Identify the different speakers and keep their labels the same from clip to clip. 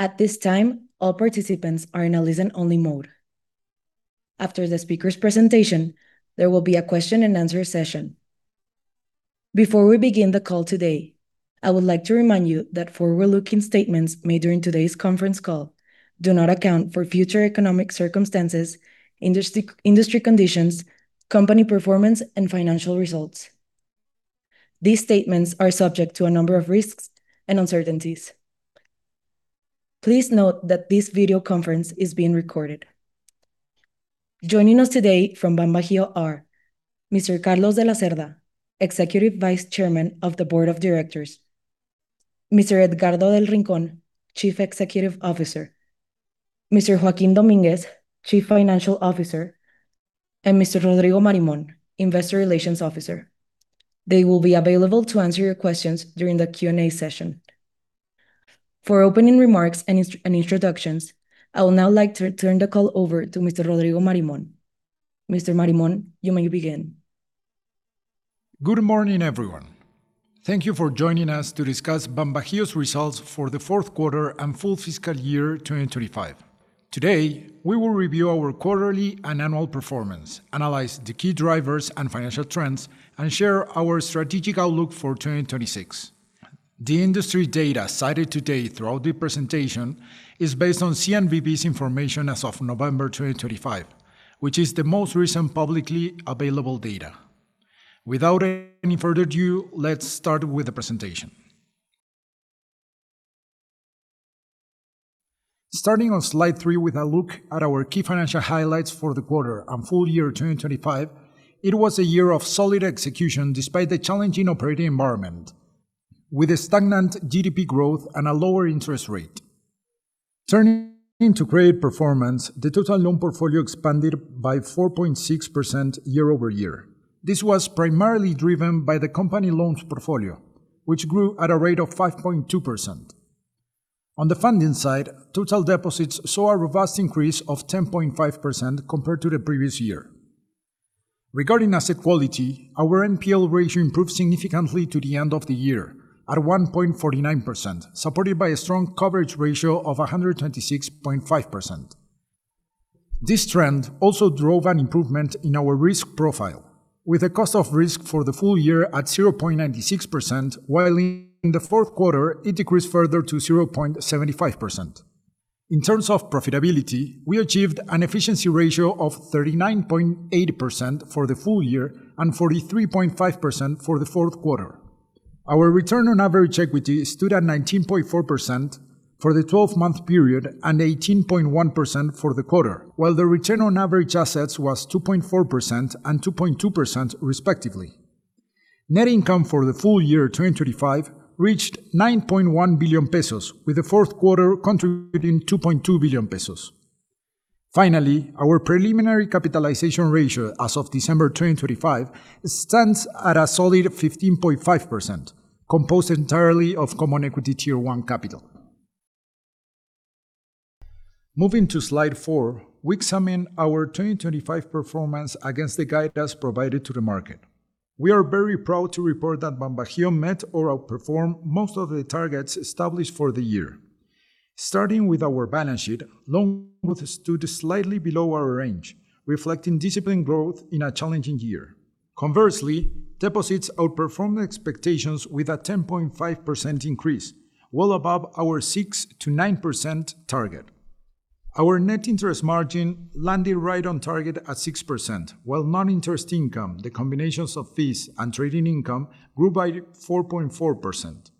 Speaker 1: At this time, all participants are in a listen-only mode. After the speaker's presentation, there will be a question-and-answer session. Before we begin the call today, I would like to remind you that forward-looking statements made during today's conference call do not account for future economic circumstances, industry conditions, company performance, and financial results. These statements are subject to a number of risks and uncertainties. Please note that this video conference is being recorded. Joining us today from BanBajío are: Mr. Carlos de la Cerda, Executive Vice Chairman of the Board of Directors; Mr. Edgardo del Rincón, Chief Executive Officer; Mr. Joaquín Domínguez, Chief Financial Officer; and Mr. Rodrigo Marimon, Investor Relations Officer. They will be available to answer your questions during the Q&A session. For opening remarks and introductions, I would now like to turn the call over to Mr. Rodrigo Marimon. Mr. Marimon, you may begin.
Speaker 2: Good morning, everyone. Thank you for joining us to discuss BanBajío's results for the fourth quarter and full fiscal year 2025. Today, we will review our quarterly and annual performance, analyze the key drivers and financial trends, and share our strategic outlook for 2026. The industry data cited today throughout the presentation is based on CNBV's information as of November 2025, which is the most recent publicly available data. Without any further ado, let's start with the presentation. Starting on slide 3 with a look at our key financial highlights for the quarter and full year 2025, it was a year of solid execution despite the challenging operating environment, with a stagnant GDP growth and a lower interest rate. Turning to credit performance, the total loan portfolio expanded by 4.6% year-over-year. This was primarily driven by the company loans portfolio, which grew at a rate of 5.2%. On the funding side, total deposits saw a robust increase of 10.5% compared to the previous year. Regarding asset quality, our NPL ratio improved significantly to the end of the year at 1.49%, supported by a strong coverage ratio of 126.5%. This trend also drove an improvement in our risk profile, with a cost of risk for the full year at 0.96%, while in the fourth quarter, it decreased further to 0.75%. In terms of profitability, we achieved an efficiency ratio of 39.8% for the full year and 43.5% for the fourth quarter. Our return on average equity stood at 19.4% for the 12-month period and 18.1% for the quarter, while the return on average assets was 2.4% and 2.2%, respectively. Net income for the full year 2025 reached 9.1 billion pesos, with the fourth quarter contributing 2.2 billion pesos. Finally, our preliminary capitalization ratio as of December 2025 stands at a solid 15.5%, composed entirely of common equity tier-one capital. Moving to slide four, we examine our 2025 performance against the guidance provided to the market. We are very proud to report that BanBajío met or outperformed most of the targets established for the year. Starting with our balance sheet, loan growth stood slightly below our range, reflecting disciplined growth in a challenging year. Conversely, deposits outperformed expectations with a 10.5% increase, well above our 6%-9% target. Our net interest margin landed right on target at 6%, while non-interest income, the combination of fees and trading income, grew by 4.4%.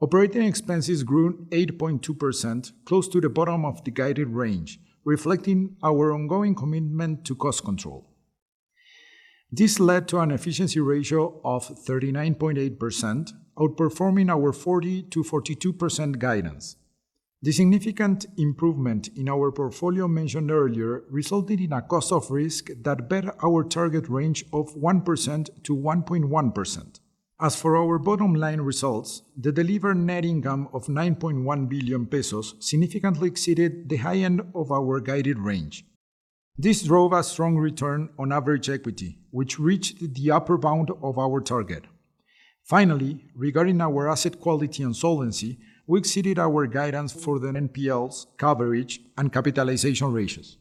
Speaker 2: Operating expenses grew 8.2%, close to the bottom of the guided range, reflecting our ongoing commitment to cost control. This led to an efficiency ratio of 39.8%, outperforming our 40%-42% guidance. The significant improvement in our portfolio mentioned earlier resulted in a cost of risk that beat our target range of 1%-1.1%. As for our bottom-line results, the delivered net income of 9.1 billion pesos significantly exceeded the high end of our guided range. This drove a strong return on average equity, which reached the upper bound of our target. Finally, regarding our asset quality and solvency, we exceeded our guidance for the NPLs, coverage, and capitalization ratios.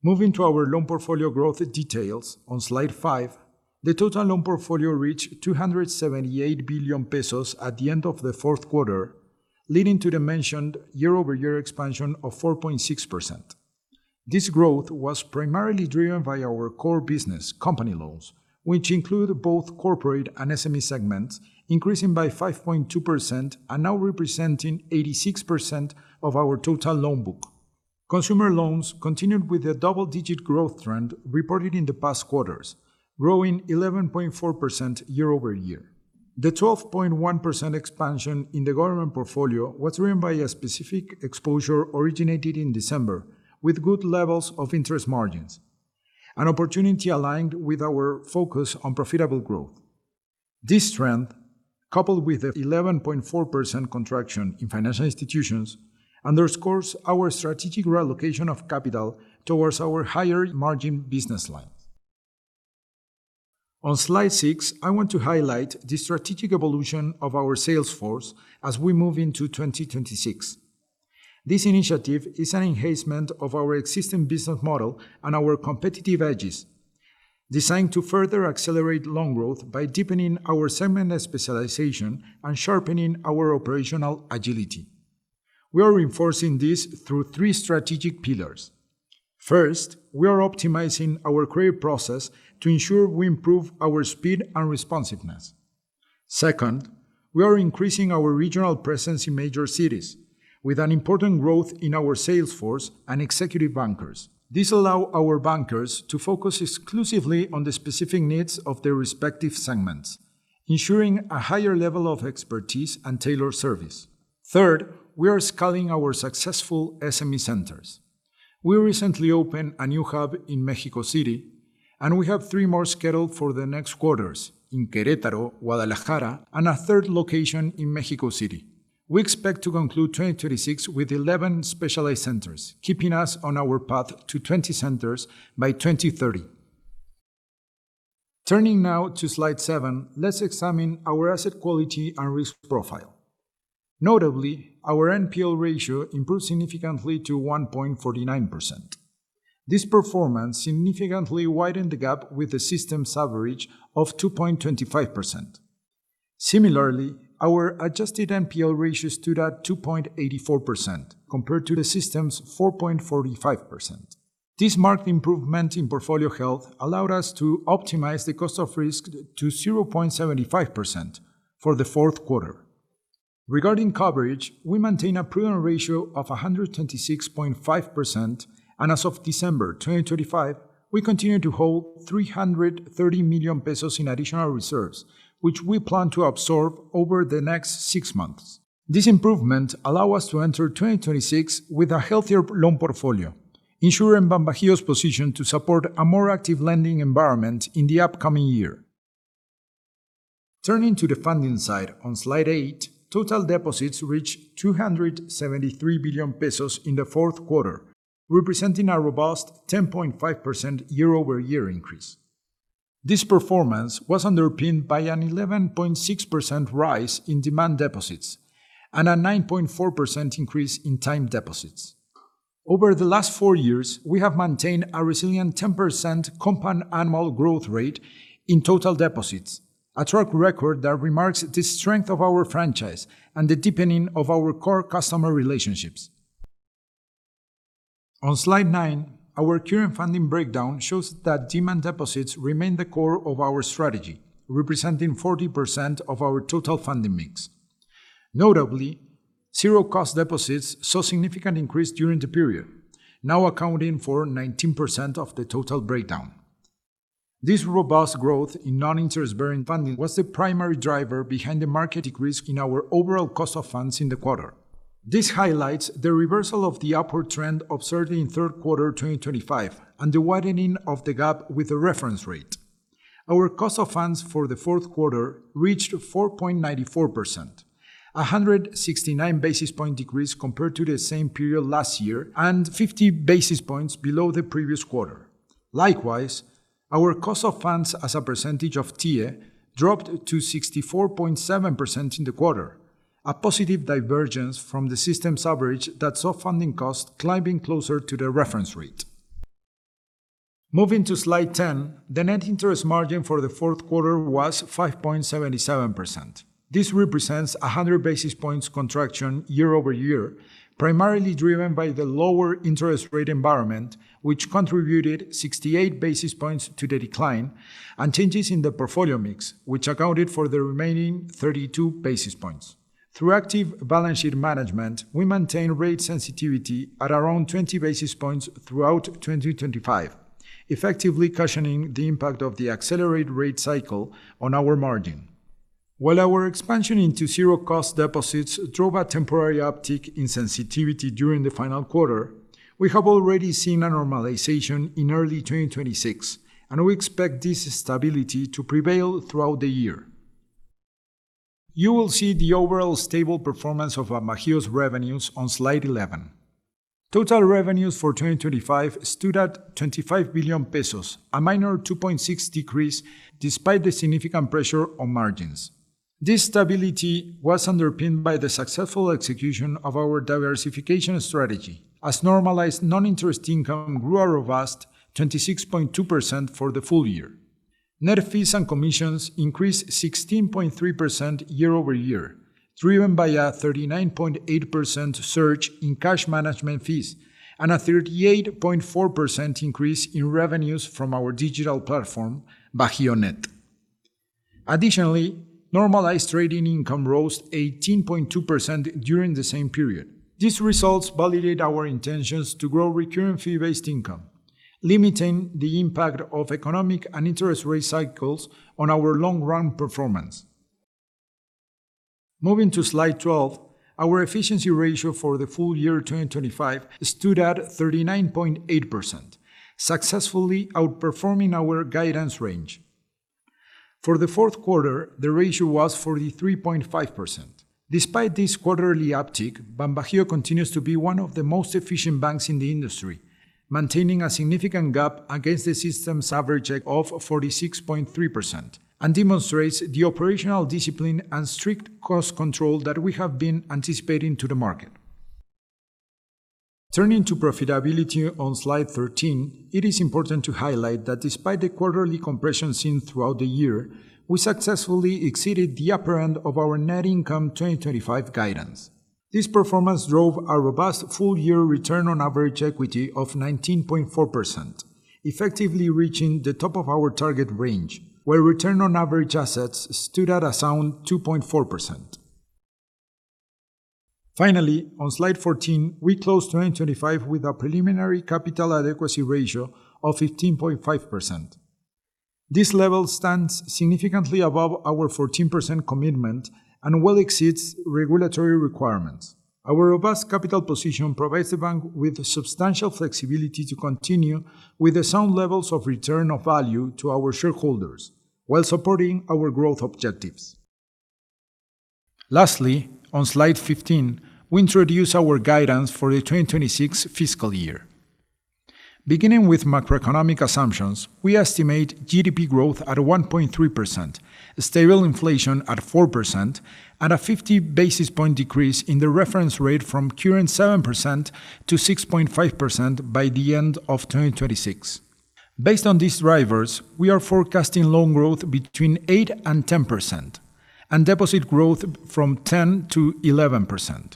Speaker 2: Moving to our loan portfolio growth details on slide five, the total loan portfolio reached 278 billion pesos at the end of the fourth quarter, leading to the mentioned year-over-year expansion of 4.6%. This growth was primarily driven by our core business, company loans, which include both corporate and SME segments, increasing by 5.2% and now representing 86% of our total loan book. Consumer loans continued with a double-digit growth trend reported in the past quarters, growing 11.4% year-over-year. The 12.1% expansion in the government portfolio was driven by a specific exposure originated in December, with good levels of interest margins, an opportunity aligned with our focus on profitable growth. This trend, coupled with the 11.4% contraction in financial institutions, underscores our strategic reallocation of capital towards our higher-margin business lines. On slide six, I want to highlight the strategic evolution of our sales force as we move into 2026. This initiative is an enhancement of our existing business model and our competitive edges, designed to further accelerate loan growth by deepening our segment specialization and sharpening our operational agility. We are reinforcing this through three strategic pillars. First, we are optimizing our credit process to ensure we improve our speed and responsiveness. Second, we are increasing our regional presence in major cities, with an important growth in our sales force and executive bankers. This allows our bankers to focus exclusively on the specific needs of their respective segments, ensuring a higher level of expertise and tailored service. Third, we are scaling our successful SME Centers. We recently opened a new hub in Mexico City, and we have three more scheduled for the next quarters in Querétaro, Guadalajara, and a third location in Mexico City. We expect to conclude 2026 with 11 specialized centers, keeping us on our path to 20 centers by 2030. Turning now to slide seven, let's examine our asset quality and risk profile. Notably, our NPL ratio improved significantly to 1.49%. This performance significantly widened the gap with the system's average of 2.25%. Similarly, our adjusted NPL ratio stood at 2.84% compared to the system's 4.45%. This marked improvement in portfolio health allowed us to optimize the cost of risk to 0.75% for the fourth quarter. Regarding coverage, we maintain a prudent ratio of 126.5%, and as of December 2025, we continue to hold 330 million pesos in additional reserves, which we plan to absorb over the next six months. This improvement allows us to enter 2026 with a healthier loan portfolio, ensuring BanBajío's position to support a more active lending environment in the upcoming year. Turning to the funding side on slide eight, total deposits reached 273 billion pesos in the fourth quarter, representing a robust 10.5% year-over-year increase. This performance was underpinned by an 11.6% rise in demand deposits and a 9.4% increase in time deposits. Over the last four years, we have maintained a resilient 10% compound annual growth rate in total deposits, a track record that remarks the strength of our franchise and the deepening of our core customer relationships. On slide nine, our current funding breakdown shows that demand deposits remain the core of our strategy, representing 40% of our total funding mix. Notably, zero-cost deposits saw a significant increase during the period, now accounting for 19% of the total breakdown. This robust growth in non-interest-bearing funding was the primary driver behind the market decrease in our overall cost of funds in the quarter. This highlights the reversal of the upward trend observed in third quarter 2025 and the widening of the gap with the reference rate. Our cost of funds for the fourth quarter reached 4.94%, a 169 basis points decrease compared to the same period last year and 50 basis points below the previous quarter. Likewise, our cost of funds as a percentage of TIIE dropped to 64.7% in the quarter, a positive divergence from the system's average that saw funding costs climbing closer to the reference rate. Moving to slide 10, the net interest margin for the fourth quarter was 5.77%. This represents a 100 basis points contraction year-over-year, primarily driven by the lower interest rate environment, which contributed 68 basis points to the decline, and changes in the portfolio mix, which accounted for the remaining 32 basis points. Through active balance sheet management, we maintain rate sensitivity at around 20 basis points throughout 2025, effectively cushioning the impact of the accelerated rate cycle on our margin. While our expansion into zero-cost deposits drove a temporary uptick in sensitivity during the final quarter, we have already seen a normalization in early 2026, and we expect this stability to prevail throughout the year. You will see the overall stable performance of BanBajío's revenues on slide 11. Total revenues for 2025 stood at 25 billion pesos, a minor 2.6% decrease despite the significant pressure on margins. This stability was underpinned by the successful execution of our diversification strategy, as normalized non-interest income grew a robust 26.2% for the full year. Net fees and commissions increased 16.3% year-over-year, driven by a 39.8% surge in cash management fees and a 38.4% increase in revenues from our digital platform, BajíoNet. Additionally, normalized trading income rose 18.2% during the same period. These results validate our intentions to grow recurring fee-based income, limiting the impact of economic and interest rate cycles on our long-run performance. Moving to slide 12, our efficiency ratio for the full year 2025 stood at 39.8%, successfully outperforming our guidance range. For the fourth quarter, the ratio was 43.5%. Despite this quarterly uptick, BanBajío continues to be one of the most efficient banks in the industry, maintaining a significant gap against the system's average of 46.3%, and demonstrates the operational discipline and strict cost control that we have been anticipating to the market. Turning to profitability on slide 13, it is important to highlight that despite the quarterly compression seen throughout the year, we successfully exceeded the upper end of our net income 2025 guidance. This performance drove a robust full-year return on average equity of 19.4%, effectively reaching the top of our target range, where return on average assets stood at a sound 2.4%. Finally, on slide 14, we closed 2025 with a preliminary capital adequacy ratio of 15.5%. This level stands significantly above our 14% commitment and well exceeds regulatory requirements. Our robust capital position provides the bank with substantial flexibility to continue with the sound levels of return of value to our shareholders, while supporting our growth objectives. Lastly, on slide 15, we introduce our guidance for the 2026 fiscal year. Beginning with macroeconomic assumptions, we estimate GDP growth at 1.3%, stable inflation at 4%, and a 50 basis point decrease in the reference rate from current 7%-6.5% by the end of 2026. Based on these drivers, we are forecasting loan growth between 8% and 10%, and deposit growth from 10%-11%.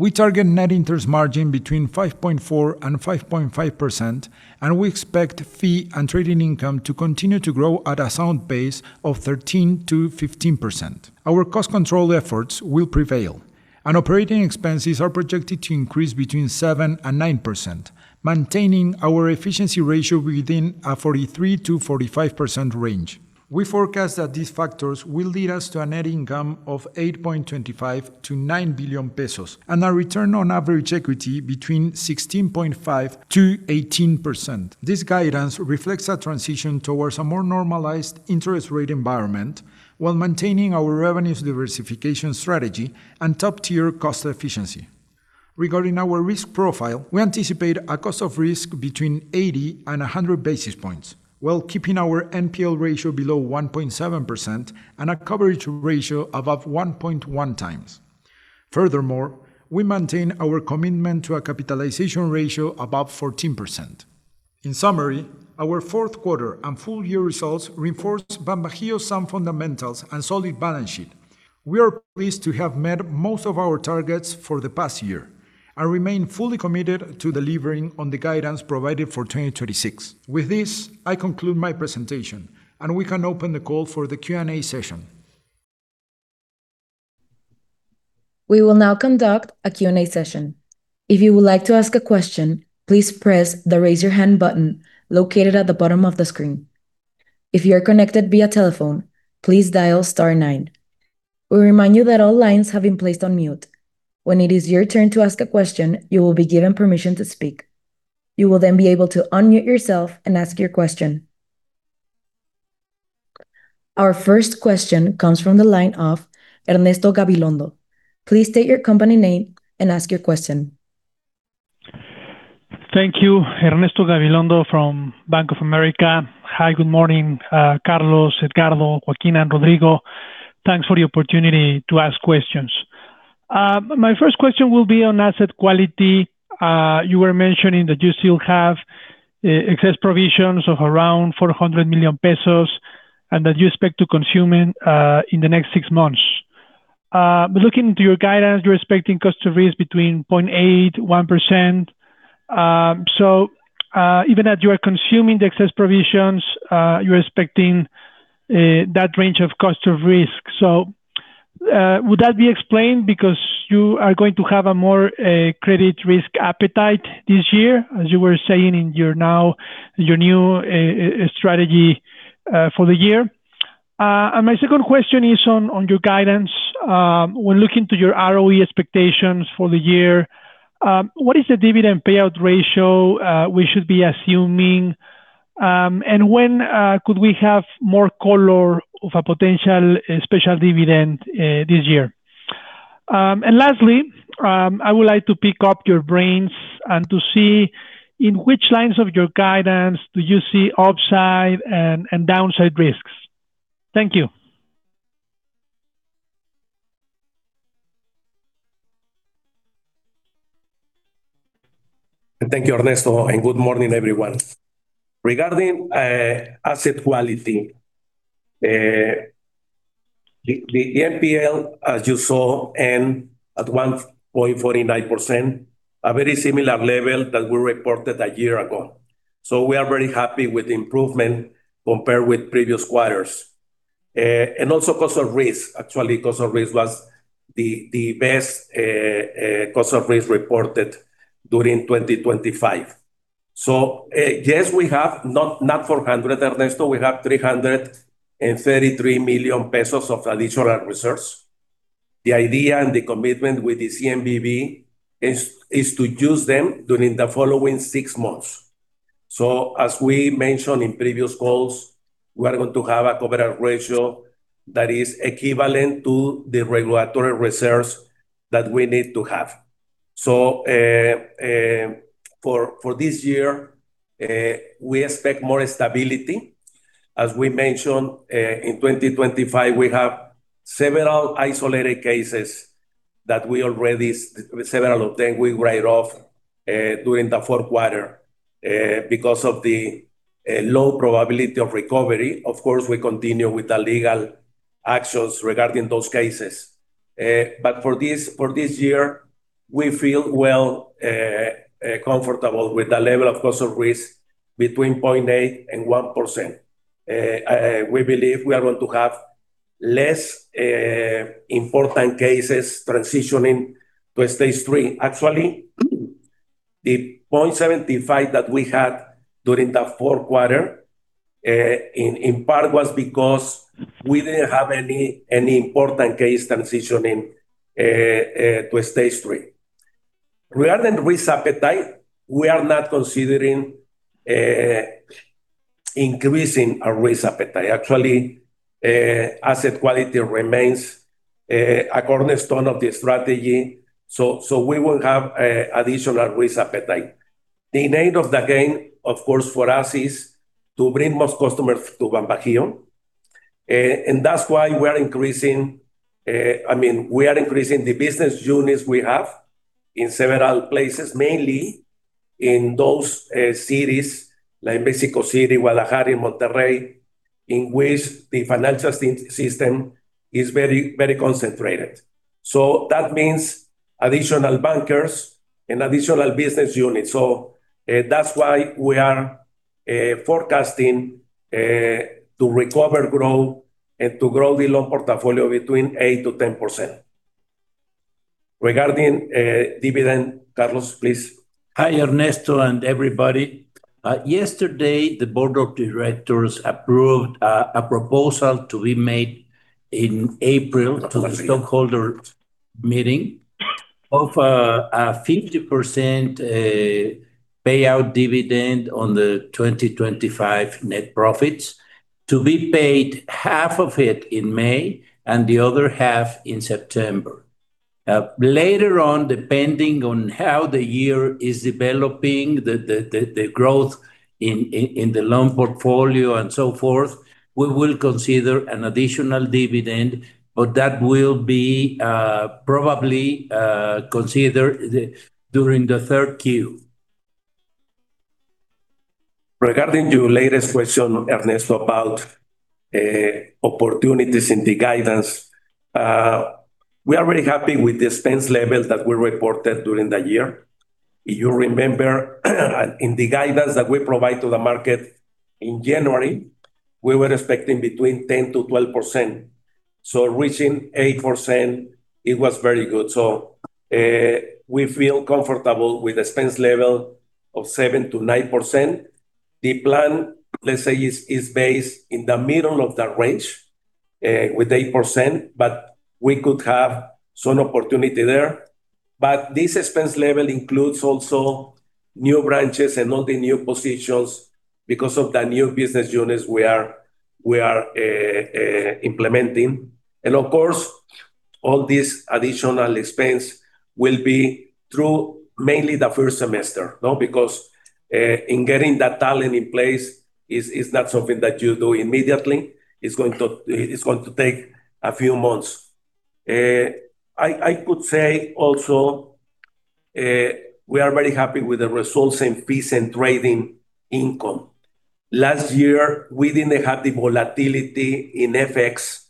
Speaker 2: We target net interest margin between 5.4% and 5.5%, and we expect fee and trading income to continue to grow at a sound base of 13%-15%. Our cost control efforts will prevail, and operating expenses are projected to increase between 7% and 9%, maintaining our efficiency ratio within a 43%-45% range. We forecast that these factors will lead us to a net income of 8.25 billion-9 billion pesos and a return on average equity between 16.5%-18%. This guidance reflects a transition towards a more normalized interest rate environment while maintaining our revenues diversification strategy and top-tier cost efficiency. Regarding our risk profile, we anticipate a cost of risk between 80 and 100 basis points, while keeping our NPL ratio below 1.7% and a coverage ratio above 1.1x. Furthermore, we maintain our commitment to a capitalization ratio above 14%. In summary, our fourth quarter and full-year results reinforce BanBajío sound fundamentals and solid balance sheet. We are pleased to have met most of our targets for the past year and remain fully committed to delivering on the guidance provided for 2026. With this, I conclude my presentation, and we can open the call for the Q&A session.
Speaker 1: We will now conduct a Q&A session. If you would like to ask a question, please press the raise your hand button located at the bottom of the screen. If you are connected via telephone, please dial star nine. We remind you that all lines have been placed on mute. When it is your turn to ask a question, you will be given permission to speak. You will then be able to unmute yourself and ask your question. Our first question comes from the line of Ernesto Gabilondo. Please state your company name and ask your question.
Speaker 3: Thank you, Ernesto Gabilondo from Bank of America. Hi, good morning, Carlos, Edgardo, Joaquín, and Rodrigo. Thanks for the opportunity to ask questions. My first question will be on asset quality. You were mentioning that you still have excess provisions of around 400 million pesos and that you expect to consume in the next six months. Looking into your guidance, you're expecting cost of risk between 0.8% and 1%. So even as you are consuming the excess provisions, you're expecting that range of cost of risk? So would that be explained because you are going to have a more credit risk appetite this year, as you were saying in your new strategy for the year? And my second question is on your guidance. When looking to your ROE expectations for the year, what is the dividend payout ratio we should be assuming? And when could we have more color of a potential special dividend this year? And lastly, I would like to pick your brains and to see in which lines of your guidance do you see upside and downside risks. Thank you.
Speaker 4: Thank you, Ernesto, and good morning, everyone. Regarding asset quality, the NPL, as you saw, ended at 1.49%, a very similar level that we reported a year ago. So we are very happy with the improvement compared with previous quarters. Also, cost of risk—actually, cost of risk was the best cost of risk reported during 2025. So yes, we have not 400, Ernesto, we have 333 million pesos of additional reserves. The idea and the commitment with the CNBV is to use them during the following six months. So as we mentioned in previous calls, we are going to have a coverage ratio that is equivalent to the regulatory reserves that we need to have. So for this year, we expect more stability. As we mentioned, in 2025, we have several isolated cases that we already—several of them—we write off during the fourth quarter because of the low probability of recovery. Of course, we continue with the legal actions regarding those cases. But for this year, we feel well comfortable with the level of cost of risk between 0.8% and 1%. We believe we are going to have less important cases transitioning to stage three. Actually, the 0.75% that we had during the fourth quarter in part was because we didn't have any important case transitioning to stage three. Regarding risk appetite, we are not considering increasing our risk appetite. Actually, asset quality remains a cornerstone of the strategy. So we will have additional risk appetite. The end of the game, of course, for us is to bring most customers to BanBajío. And that's why we are increasing, I mean, we are increasing the business units we have in several places, mainly in those cities like Mexico City, Guadalajara in Monterrey. In which the financial system is very, very concentrated. So that means additional bankers and additional business units. So that's why we are forecasting to recover, grow, and to grow the loan portfolio between 8%-10%. Regarding dividend, Carlos, please.
Speaker 5: Hi, Ernesto and everybody. Yesterday, the board of directors approved a proposal to be made in April to the stockholder meeting of a 50% payout dividend on the 2025 net profits to be paid half of it in May and the other half in September. Later on, depending on how the year is developing, the growth in the loan portfolio and so forth, we will consider an additional dividend, but that will be probably considered during the third Q. Regarding your latest question, Ernesto, about opportunities in the guidance, we are very happy with the expense level that we reported during the year. You remember in the guidance that we provide to the market in January, we were expecting between 10%-12%. So reaching 8%, it was very good. So we feel comfortable with the expense level of 7%-9%. The plan, let's say, is based in the middle of that range with 8%, but we could have some opportunity there. But this expense level includes also new branches and all the new positions because of the new business units we are implementing. And of course, all this additional expense will be through mainly the first semester because in getting that talent in place is not something that you do immediately. It's going to take a few months. I could say also we are very happy with the results in fees and trading income. Last year, we didn't have the volatility in FX,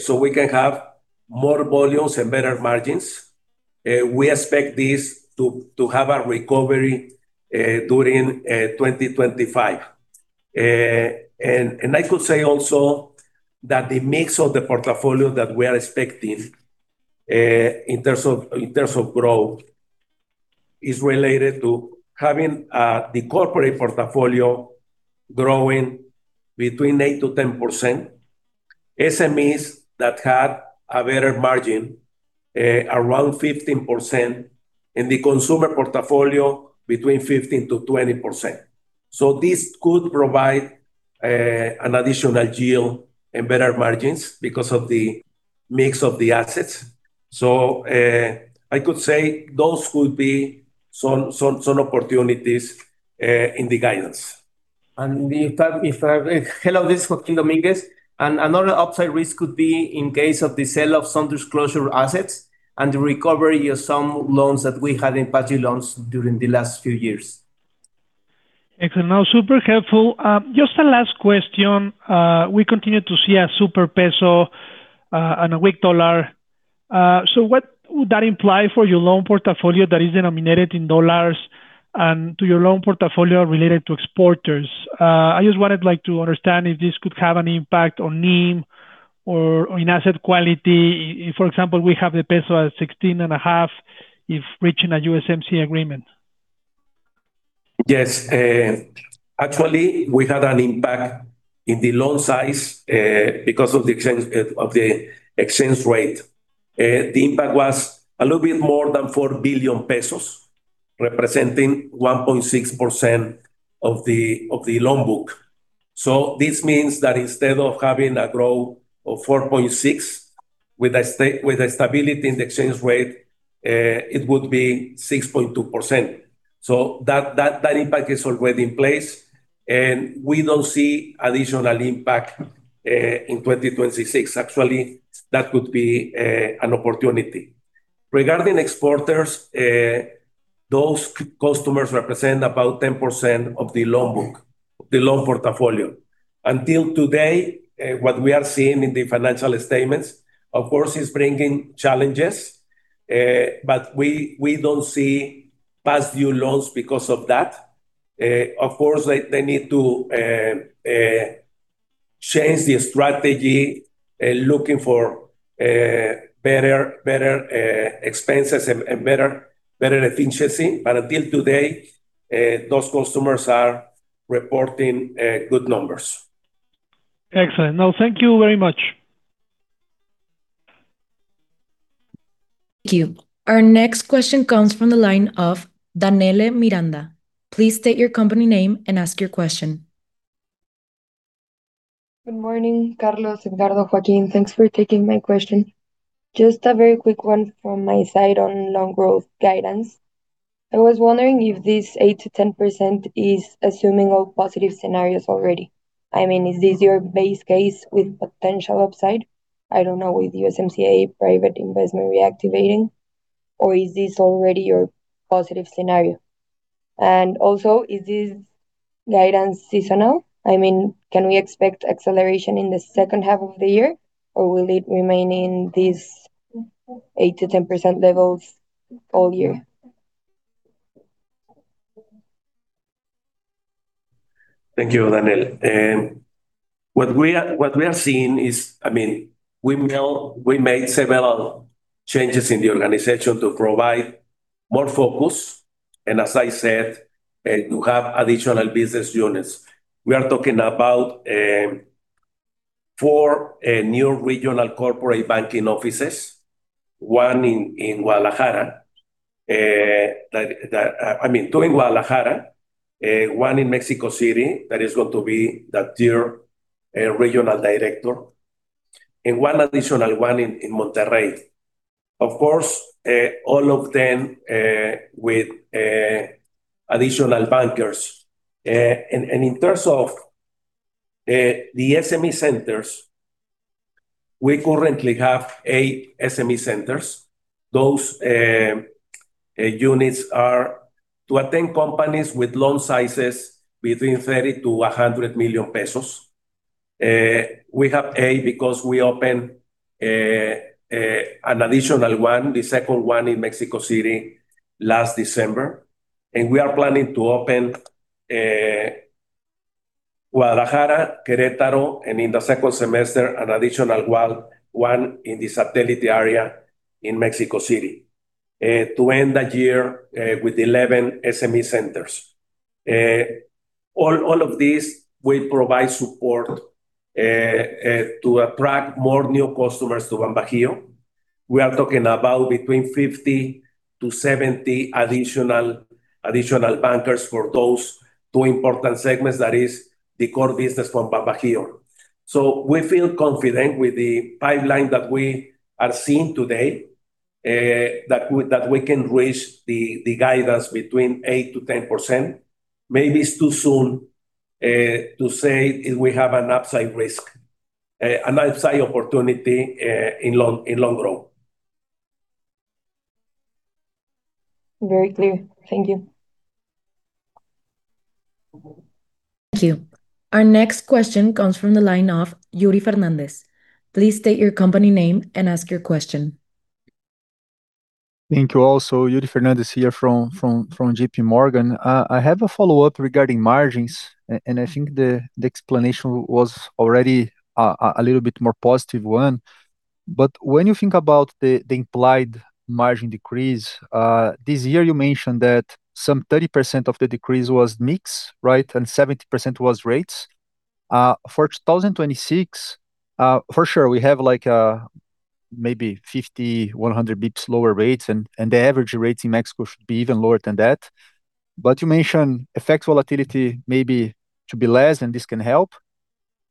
Speaker 5: so we can have more volumes and better margins. We expect this to have a recovery during 2025. I could say also that the mix of the portfolio that we are expecting in terms of growth is related to having the corporate portfolio growing 8%-10%, SMEs that had a better margin around 15%, and the consumer portfolio 15%-20%. So this could provide an additional yield and better margins because of the mix of the assets. So I could say those could be some opportunities in the guidance.
Speaker 6: And if I may add hello, this is Joaquín Domínguez. And another upside risk could be in case of the sale of some disclosure assets and the recovery of some loans that we had in past due loans during the last few years.
Speaker 3: Excellent. Now, super helpful. Just a last question. We continue to see a super peso and a weak dollar. So what would that imply for your loan portfolio that is denominated in dollars and to your loan portfolio related to exporters? I just wanted to understand if this could have an impact on NIM or in asset quality. For example, we have the peso at 16.5 if reaching a USMCA agreement.
Speaker 4: Yes. Actually, we had an impact in the loan size because of the exchange rate. The impact was a little bit more than 4 billion pesos, representing 1.6% of the loan book. So this means that instead of having a growth of 4.6% with a stability in the exchange rate, it would be 6.2%. So that impact is already in place, and we don't see additional impact in 2026. Actually, that could be an opportunity. Regarding exporters, those customers represent about 10% of the loan book, the loan portfolio. Until today, what we are seeing in the financial statements, of course, is bringing challenges, but we don't see past due loans because of that. Of course, they need to change the strategy looking for better expenses and better efficiency. But until today, those customers are reporting good numbers.
Speaker 3: Excellent. Now, thank you very much.
Speaker 1: Thank you. Our next question comes from the line of Danele Miranda. Please state your company name and ask your question.
Speaker 7: Good morning, Carlos, Edgardo, Joaquín. Thanks for taking my question. Just a very quick one from my side on loan growth guidance. I was wondering if this 8%-10% is assuming all positive scenarios already. I mean, is this your base case with potential upside? I don't know, with USMCA private investment reactivating, or is this already your positive scenario? And also, is this guidance seasonal? I mean, can we expect acceleration in the second half of the year, or will it remain in these 8%-10% levels all year?
Speaker 4: Thank you, Danele. What we are seeing is, I mean, we made several changes in the organization to provide more focus and, as I said, to have additional business units. We are talking about four new regional corporate banking offices, one in Guadalajara, I mean, two in Guadalajara, one in Mexico City that is going to be the tier regional director, and one additional one in Monterrey. Of course, all of them with additional bankers. And in terms of the SME centers, we currently have eight SME centers. Those units are to attend companies with loan sizes between 30 million-100 million pesos. We have eight because we opened an additional one, the second one in Mexico City, last December. We are planning to open Guadalajara, Querétaro, and in the second semester, an additional one in the satellite area in Mexico City to end the year with 11 SME centers. All of these, we provide support to attract more new customers to BanBajío. We are talking about between 50-70 additional bankers for those two important segments that is the core business from BanBajío. We feel confident with the pipeline that we are seeing today that we can reach the guidance between 8%-10%. Maybe it's too soon to say if we have an upside risk, an upside opportunity in loan growth.
Speaker 7: Very clear. Thank you.
Speaker 1: Thank you. Our next question comes from the line of Yuri Fernandes. Please state your company name and ask your question.
Speaker 8: Thank you also. Yuri Fernandes here from J.P. Morgan. I have a follow-up regarding margins, and I think the explanation was already a little bit more positive one. But when you think about the implied margin decrease, this year you mentioned that some 30% of the decrease was mix, right, and 70% was rates. For 2026, for sure, we have maybe 50-100 basis points lower rates, and the average rates in Mexico should be even lower than that. But you mentioned FX volatility maybe to be less, and this can help.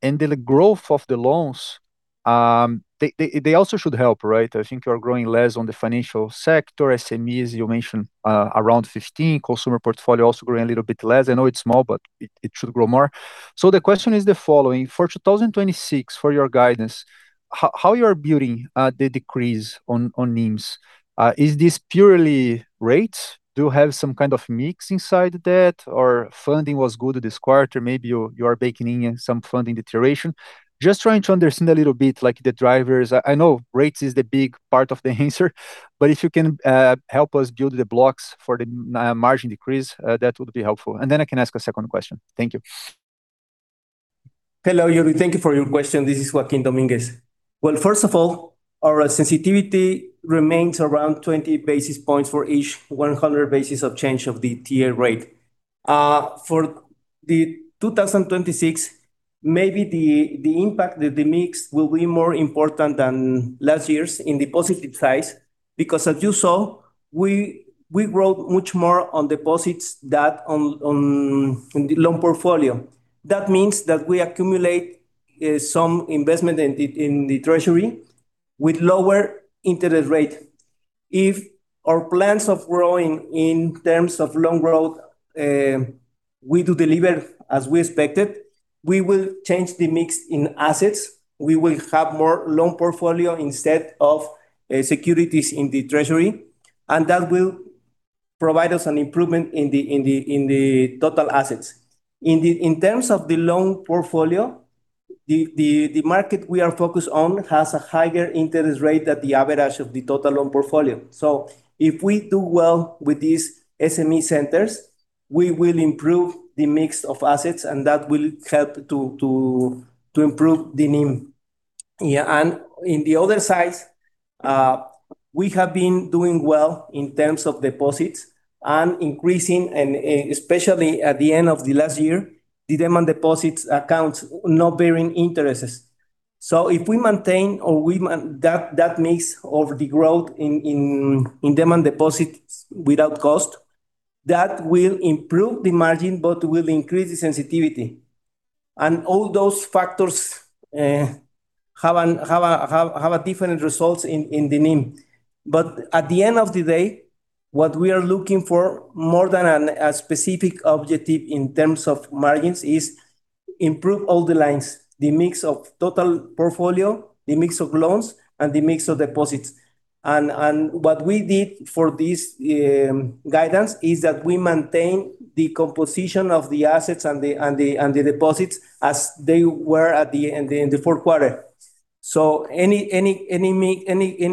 Speaker 8: And the growth of the loans, they also should help, right? I think you're growing less on the financial sector. SMEs, you mentioned around 15%. Consumer portfolio also growing a little bit less. I know it's small, but it should grow more. So the question is the following. For 2026, for your guidance, how you are building the decrease on NIMs? Is this purely rates? Do you have some kind of mix inside that, or funding was good this quarter? Maybe you are baking in some funding deterioration. Just trying to understand a little bit like the drivers. I know rates is the big part of the answer, but if you can help us build the blocks for the margin decrease, that would be helpful. Then I can ask a second question. Thank you.
Speaker 6: Hello, Yuri. Thank you for your question. This is Joaquín Domínguez. Well, first of all, our sensitivity remains around 20 basis points for each 100 basis of change of the TIIE rate. For the 2026, maybe the impact that the mix will be more important than last years in the positive size because, as you saw, we grow much more on deposits that on the loan portfolio. That means that we accumulate some investment in the treasury with lower interest rate. If our plans of growing in terms of loan growth, we do deliver as we expected, we will change the mix in assets. We will have more loan portfolio instead of securities in the treasury, and that will provide us an improvement in the total assets. In terms of the loan portfolio, the market we are focused on has a higher interest rate than the average of the total loan portfolio. So if we do well with these SME centers, we will improve the mix of assets, and that will help to improve the NIM. Yeah. And in the other sides, we have been doing well in terms of deposits and increasing, and especially at the end of the last year, the demand deposits accounts not bearing interests. So if we maintain or we that mix of the growth in demand deposits without cost, that will improve the margin, but will increase the sensitivity. All those factors have a different result in the NIM. At the end of the day, what we are looking for, more than a specific objective in terms of margins, is to improve all the lines, the mix of total portfolio, the mix of loans, and the mix of deposits. What we did for this guidance is that we maintain the composition of the assets and the deposits as they were at the end in the fourth quarter. So any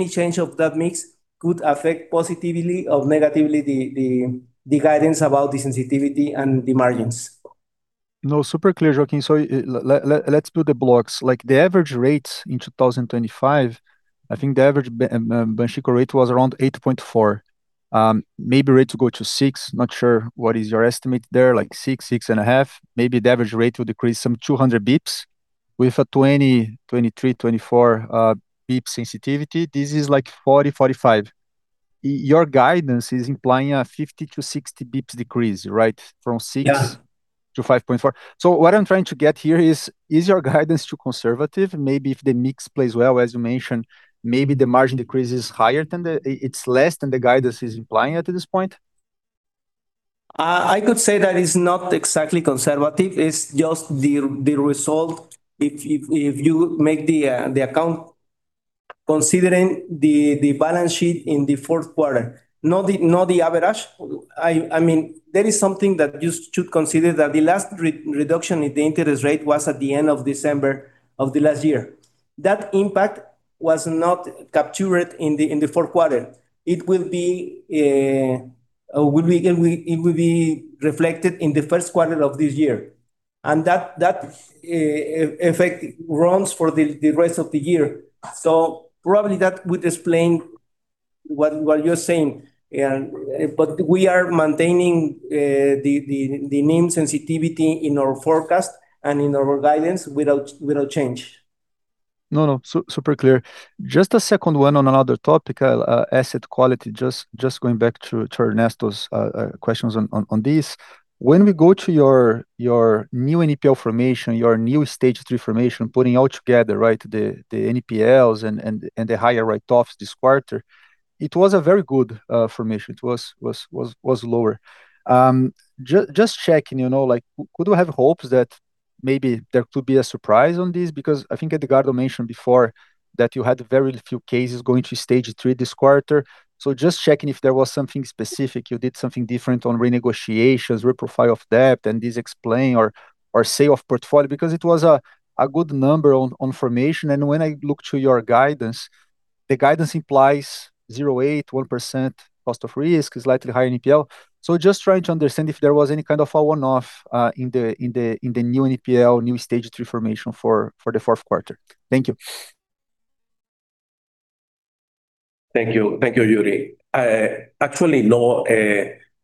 Speaker 6: change of that mix could affect positively or negatively the guidance about the sensitivity and the margins.
Speaker 8: No, super clear, Joaquín. So let's do the blocks. The average rate in 2025, I think the average Banxico rate was around 8.4. Maybe rate to go to 6. Not sure what is your estimate there, like 6, 6.5. Maybe the average rate will decrease some 200 basis points with a 20, 23, 24 basis point sensitivity. This is like 40, 45. Your guidance is implying a 50-60 basis points decrease, right, from 6 to 5.4. So what I'm trying to get here is, is your guidance too conservative? Maybe if the mix plays well, as you mentioned, maybe the margin decrease is higher than it's less than the guidance is implying at this point?
Speaker 6: I could say that it's not exactly conservative. It's just the result. If you make the account considering the balance sheet in the fourth quarter, not the average. I mean, there is something that you should consider that the last reduction in the interest rate was at the end of December of the last year. That impact was not captured in the fourth quarter. It will be reflected in the first quarter of this year. That effect runs for the rest of the year. So probably that would explain what you're saying. But we are maintaining the NIM sensitivity in our forecast and in our guidance without change.
Speaker 8: No, no. Super clear. Just a second one on another topic, asset quality. Just going back to Ernesto's questions on this. When we go to your new NPL formation, your new stage three formation, putting all together, right, the NPLs and the higher write-offs this quarter, it was a very good formation. It was lower. Just checking, could we have hopes that maybe there could be a surprise on this? Because I think Edgardo mentioned before that you had very few cases going to stage three this quarter. So just checking if there was something specific, you did something different on renegotiations, reprofile of debt, and this explain or sale of portfolio because it was a good number on formation. And when I look to your guidance, the guidance implies 0.8%-1% cost of risk, slightly higher NPL. So just trying to understand if there was any kind of a one-off in the new NPL, new stage three formation for the fourth quarter. Thank you.
Speaker 4: Thank you. Thank you, Yuri. Actually, no.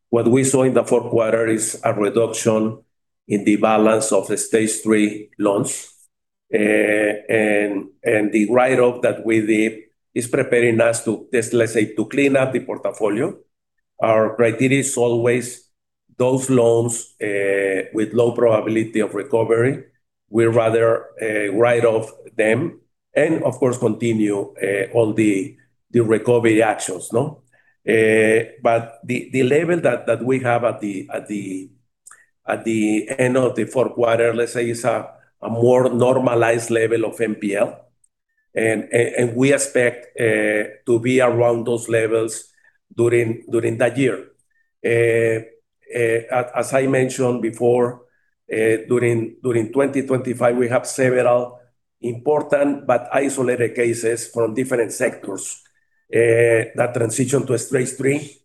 Speaker 4: What we saw in the fourth quarter is a reduction in the balance of the stage three loans. And the write-off that we did is preparing us to, let's say, to clean up the portfolio. Our criteria is always those loans with low probability of recovery. We rather write off them and, of course, continue all the recovery actions. But the level that we have at the end of the fourth quarter, let's say, is a more normalized level of NPL. We expect to be around those levels during that year. As I mentioned before, during 2025, we have several important but isolated cases from different sectors that transition to stage three.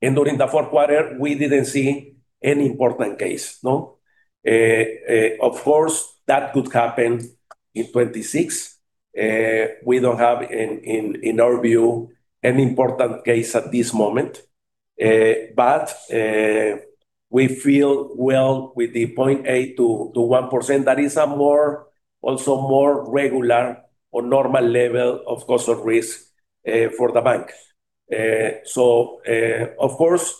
Speaker 4: During the fourth quarter, we didn't see any important case. Of course, that could happen in 2026. We don't have, in our view, any important case at this moment. But we feel well with the 0.8%-1%. That is also more regular or normal level of cost of risk for the bank. Of course,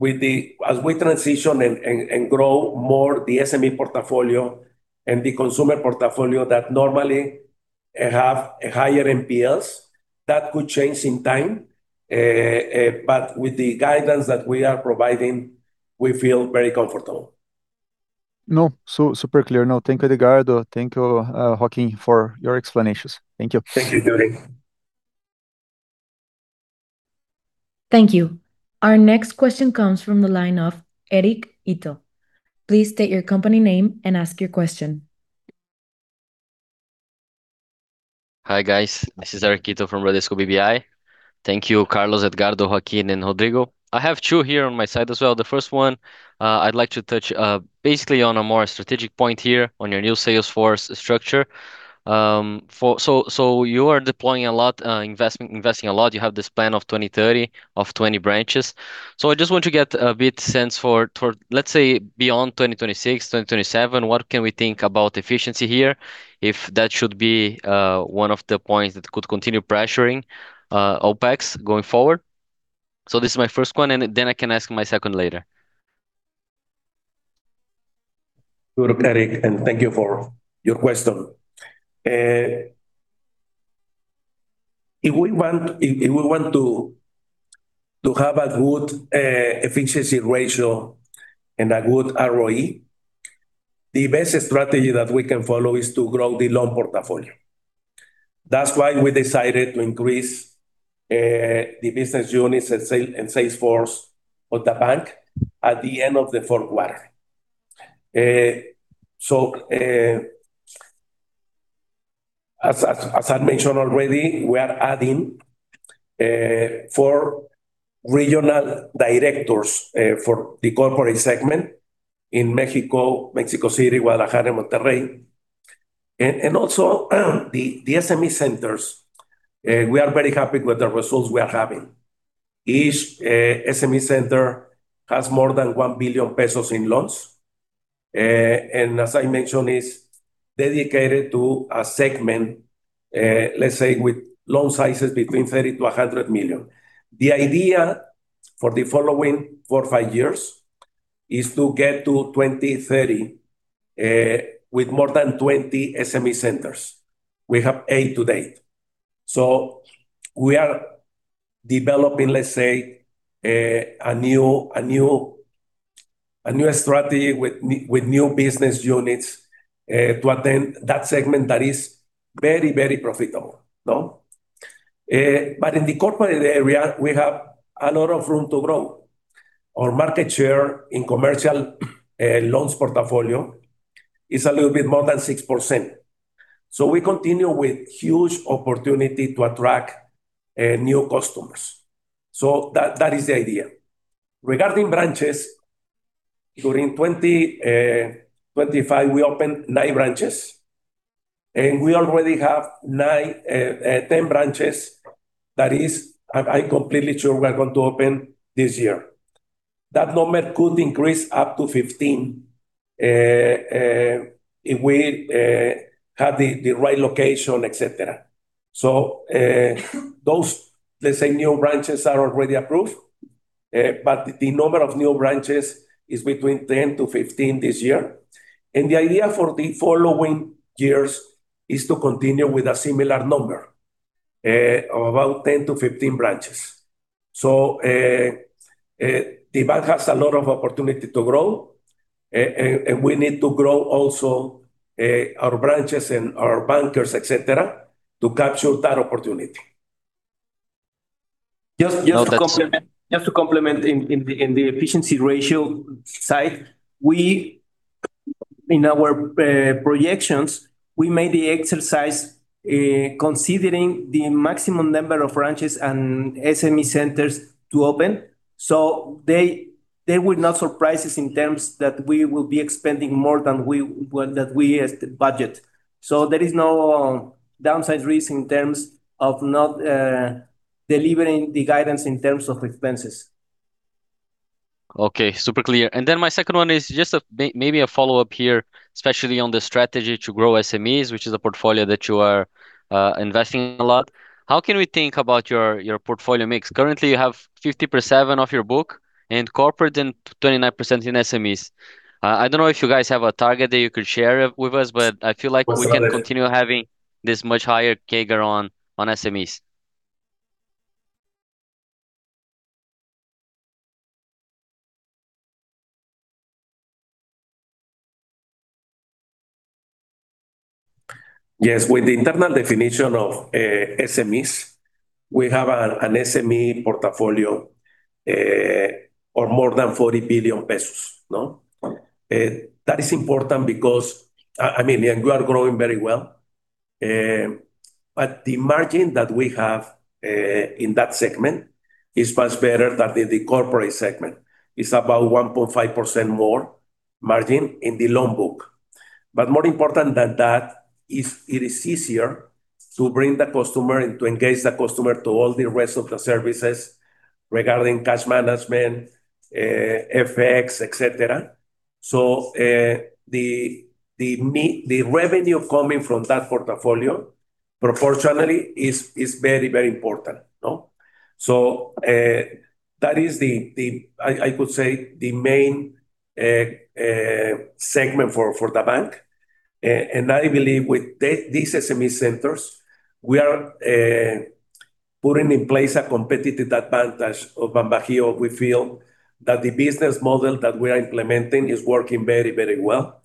Speaker 4: as we transition and grow more the SME portfolio and the consumer portfolio that normally have higher NPLs, that could change in time. With the guidance that we are providing, we feel very comfortable.
Speaker 8: No, super clear. No, thank you, Edgardo. Thank you, Joaquín, for your explanations. Thank you.
Speaker 4: Thank you, Yuri.
Speaker 1: Thank you. Our next question comes from the line of Eric Ito. Please state your company name and ask your question.
Speaker 9: Hi, guys. This is Eric Ito from Bradesco BBI. Thank you, Carlos, Edgardo, Joaquín, and Rodrigo. I have two here on my side as well. The first one, I'd like to touch basically on a more strategic point here on your new sales force structure. So you are deploying a lot, investing a lot. You have this plan of 2030, of 20 branches. So I just want to get a bit sense for, let's say, beyond 2026, 2027, what can we think about efficiency here if that should be one of the points that could continue pressuring OpEx going forward? So this is my first one, and then I can ask my second later.
Speaker 4: Good, Eric, and thank you for your question. If we want to have a good efficiency ratio and a good ROE, the best strategy that we can follow is to grow the loan portfolio. That's why we decided to increase the business units and sales force of the bank at the end of the fourth quarter. So, as I mentioned already, we are adding 4 regional directors for the corporate segment in Mexico, Mexico City, Guadalajara, and Monterrey. And also, the SME centers, we are very happy with the results we are having. Each SME center has more than 1 billion pesos in loans. And as I mentioned, it's dedicated to a segment, let's say, with loan sizes between 30 million-100 million. The idea for the following 4-5 years is to get to 2030 with more than 20 SME centers. We have 8 to date. So we are developing, let's say, a new strategy with new business units to attend that segment that is very, very profitable. But in the corporate area, we have a lot of room to grow. Our market share in commercial loans portfolio is a little bit more than 6%. So we continue with huge opportunity to attract new customers. So that is the idea. Regarding branches, during 2025, we opened 9 branches. And we already have 10 branches that I'm completely sure we're going to open this year. That number could increase up to 15 if we have the right location, etc. So those, let's say, new branches are already approved. But the number of new branches is between 10-15 this year. And the idea for the following years is to continue with a similar number of about 10-15 branches. So the bank has a lot of opportunity to grow. And we need to grow also our branches and our bankers, etc., to capture that opportunity. Just to complement in the efficiency ratio side, in our projections, we made the exercise considering the maximum number of branches and SME centers to open. So there were no surprises in terms that we will be expanding more than we budget. So there is no downside risk in terms of not delivering the guidance in terms of expenses.
Speaker 9: Okay, super clear. And then my second one is just maybe a follow-up here, especially on the strategy to grow SMEs, which is a portfolio that you are investing in a lot. How can we think about your portfolio mix? Currently, you have 50% of your book and corporate and 29% in SMEs. I don't know if you guys have a target that you could share with us, but I feel like we can continue having this much higher CAGR on SMEs.
Speaker 4: Yes, with the internal definition of SMEs, we have an SME portfolio of more than 40 billion pesos. That is important because, I mean, you are growing very well. But the margin that we have in that segment is much better than the corporate segment. It's about 1.5% more margin in the loan book. But more important than that, it is easier to bring the customer and to engage the customer to all the rest of the services regarding cash management, FX, etc. So the revenue coming from that portfolio proportionally is very, very important. So that is, I could say, the main segment for the bank. I believe with these SME centers, we are putting in place a competitive advantage of BanBajío. We feel that the business model that we are implementing is working very, very well.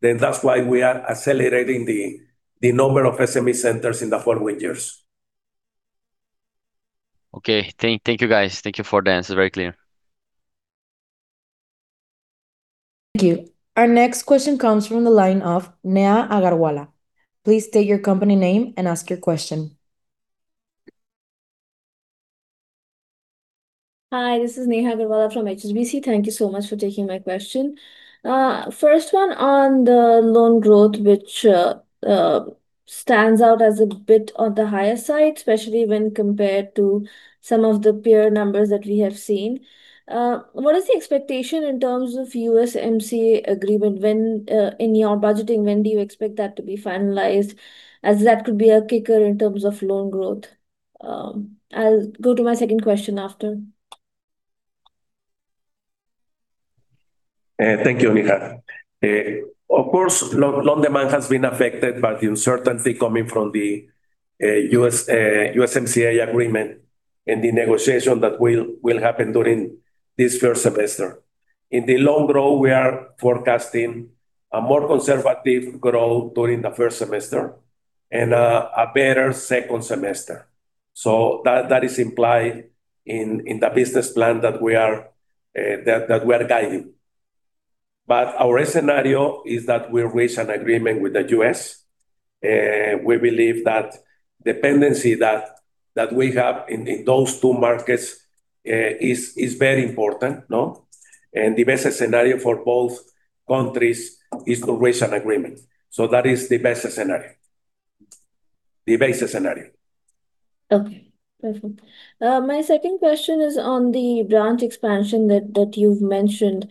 Speaker 4: That's why we are accelerating the number of SME centers in the following years.
Speaker 9: Okay, thank you, guys. Thank you for the answer. Very clear.
Speaker 1: Thank you. Our next question comes from the line of Neha Agarwala. Please state your company name and ask your question.
Speaker 10: Hi, this is Neha Agarwala from HSBC. Thank you so much for taking my question. First one on the loan growth, which stands out as a bit on the higher side, especially when compared to some of the peer numbers that we have seen. What is the expectation in terms of USMCA agreement? In your budgeting, when do you expect that to be finalized? As that could be a kicker in terms of loan growth. I'll go to my second question after.
Speaker 4: Thank you, Neha. Of course, loan demand has been affected by the uncertainty coming from the USMCA agreement and the negotiation that will happen during this first semester. In the loan growth, we are forecasting a more conservative growth during the first semester and a better second semester. So that is implied in the business plan that we are guiding. But our scenario is that we reach an agreement with the U.S. We believe that the dependency that we have in those two markets is very important. And the best scenario for both countries is to reach an agreement. So that is the best scenario. The best scenario.
Speaker 10: Okay, perfect. My second question is on the branch expansion that you've mentioned.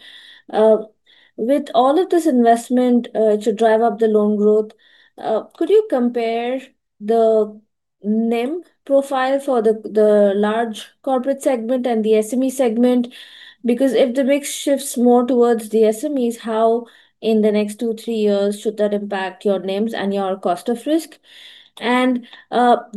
Speaker 10: With all of this investment to drive up the loan growth, could you compare the NIM profile for the large corporate segment and the SME segment? Because if the mix shifts more towards the SMEs, how in the next two, three years should that impact your NIMs and your cost of risk? And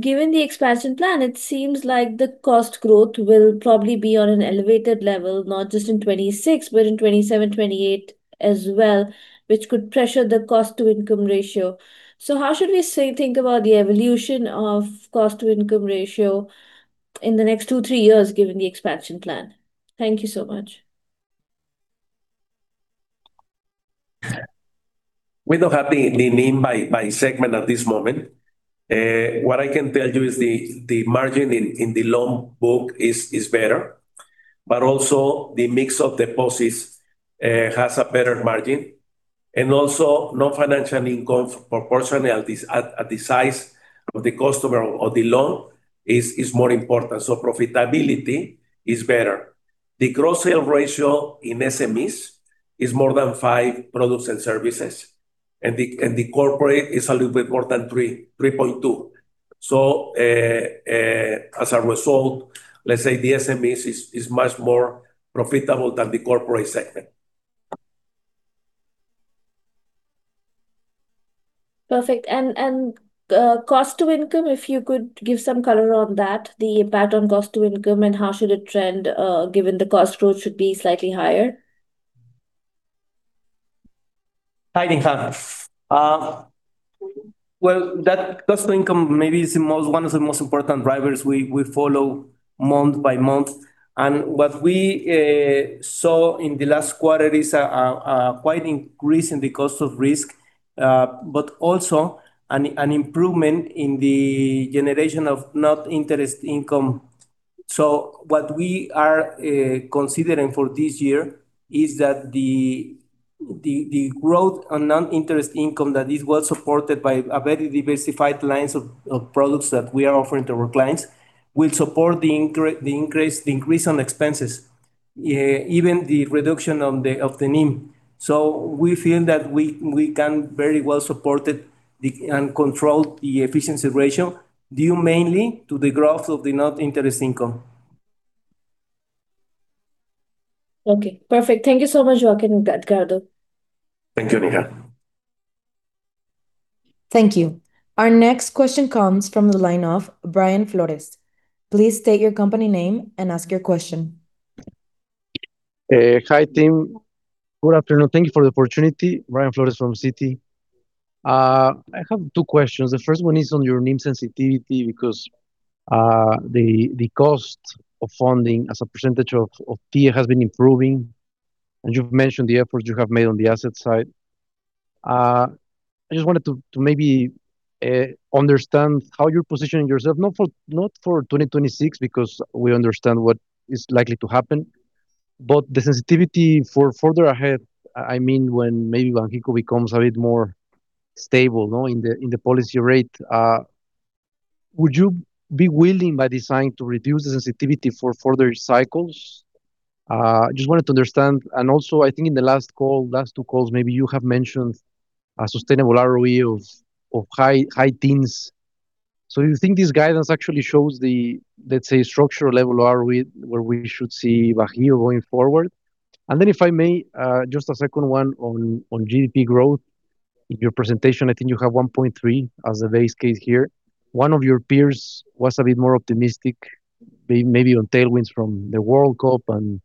Speaker 10: given the expansion plan, it seems like the cost growth will probably be on an elevated level, not just in 2026, but in 2027, 2028 as well, which could pressure the cost-to-income ratio. So how should we think about the evolution of cost-to-income ratio in the next two, three years given the expansion plan? Thank you so much.
Speaker 4: We don't have the NIM by segment at this moment. What I can tell you is the margin in the loan book is better. But also, the mix of deposits has a better margin. Also, non-financial income proportionality at the size of the customer or the loan is more important. So profitability is better. The cross-sale ratio in SMEs is more than 5 products and services. And the corporate is a little bit more than 3.2. So as a result, let's say the SMEs is much more profitable than the corporate segment.
Speaker 10: Perfect. And cost-to-income, if you could give some color on that, the impact on cost-to-income and how should it trend given the cost growth should be slightly higher?
Speaker 6: Hi, Neha. Well, that cost-to-income maybe is one of the most important drivers we follow month by month. And what we saw in the last quarter is quite an increase in the cost of risk, but also an improvement in the generation of non-interest income. So what we are considering for this year is that the growth on non-interest income that is well supported by a very diversified line of products that we are offering to our clients will support the increase on expenses, even the reduction of the NIM. So we feel that we can very well support and control the efficiency ratio due mainly to the growth of the non-interest income.
Speaker 10: Okay, perfect. Thank you so much, Joaquín and Edgardo.
Speaker 4: Thank you, Neha.
Speaker 1: Thank you. Our next question comes from the line of Brian Flores. Please state your company name and ask your question.
Speaker 11: Hi, team. Good afternoon. Thank you for the opportunity. Brian Flores from Citi. I have two questions. The first one is on your NIM sensitivity because the cost of funding as a percentage of TIIE has been improving. You've mentioned the efforts you have made on the asset side. I just wanted to maybe understand how you're positioning yourself, not for 2026 because we understand what is likely to happen, but the sensitivity for further ahead, I mean, when maybe Banxico becomes a bit more stable in the policy rate. Would you be willing by design to reduce the sensitivity for further cycles? I just wanted to understand. And also, I think in the last call, last two calls, maybe you have mentioned a sustainable ROE of high teens. So do you think this guidance actually shows the, let's say, structural level of ROE where we should see Bajío going forward? And then if I may, just a second one on GDP growth. In your presentation, I think you have 1.3 as the base case here. One of your peers was a bit more optimistic, maybe on tailwinds from the World Cup and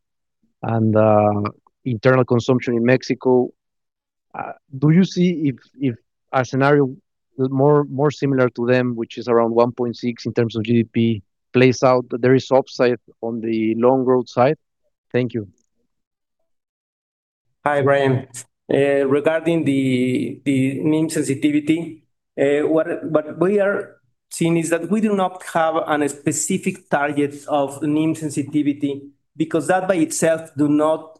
Speaker 11: internal consumption in Mexico. Do you see if a scenario more similar to them, which is around 1.6 in terms of GDP, plays out that there is upside on the long growth side? Thank you.
Speaker 6: Hi, Brian. Regarding the NIM sensitivity, what we are seeing is that we do not have a specific target of NIM sensitivity because that by itself does not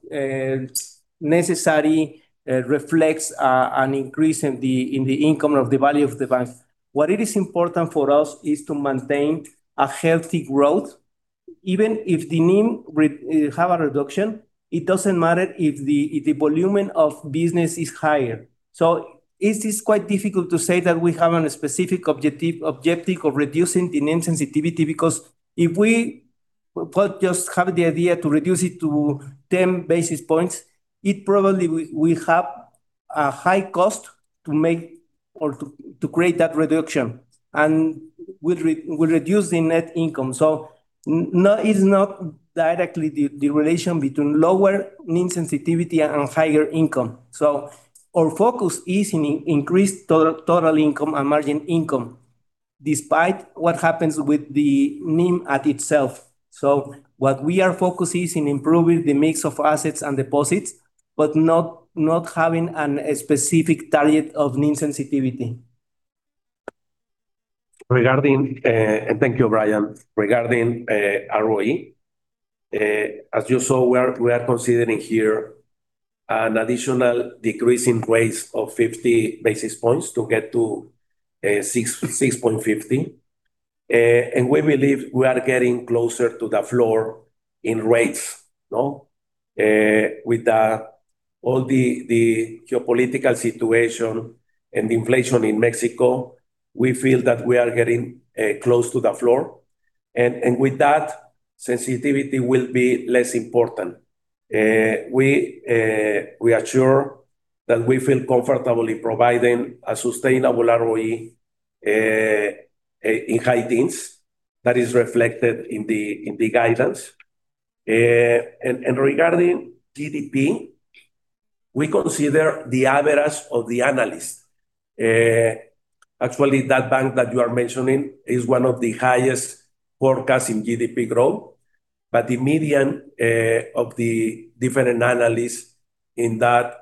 Speaker 6: necessarily reflect an increase in the income of the value of the bank. What is important for us is to maintain a healthy growth. Even if the NIM have a reduction, it doesn't matter if the volume of business is higher. It is quite difficult to say that we have a specific objective of reducing the NIM sensitivity because if we just have the idea to reduce it to 10 basis points, it probably will have a high cost to create that reduction and will reduce the net income. It's not directly the relation between lower NIM sensitivity and higher income. Our focus is in increased total income and margin income despite what happens with the NIM at itself. What we are focusing on is improving the mix of assets and deposits, but not having a specific target of NIM sensitivity.
Speaker 4: Thank you, Brian, regarding ROE. As you saw, we are considering here an additional decrease in rates of 50 basis points to get to 6.50. We believe we are getting closer to the floor in rates. With all the geopolitical situation and the inflation in Mexico, we feel that we are getting close to the floor. With that, sensitivity will be less important. We are sure that we feel comfortable in providing a sustainable ROE in high teens. That is reflected in the guidance. Regarding GDP, we consider the average of the analyst. Actually, that bank that you are mentioning is one of the highest forecasts in GDP growth. But the median of the different analysts in that